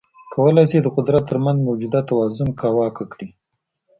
کولای شي د قدرت ترمنځ موجوده توازن کاواکه کړي.